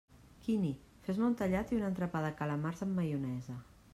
Quini, fes-me un tallat i un entrepà de calamars amb maionesa.